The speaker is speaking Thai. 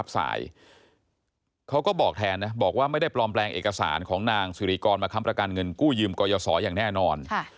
บอกว่าไม่ได้ปลอมแปลงเอกสารของนางสุริกรมาค้ำประกันเงินกู้ยืมกรยาศรอย่างแน่นอน